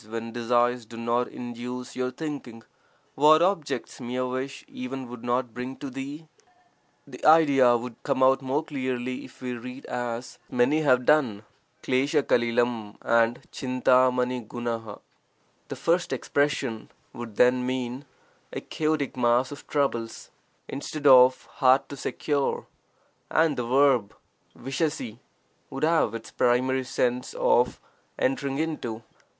when desires do not induce your thinking), what objects mere wish (even) would not bring to thee? [The idea would come out more clearly, if we read, as many have done, ^mrafcTef and fatiiHf"l J j u l:; the first expression would then mean 'a (chaotic) mass of troubles' instead of 'hard 40 VAIRAGYA SATAKAM to secure', and the verb f^TTfi T would have its primary sense of 'entering into'